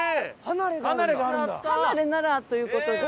離れならという事で。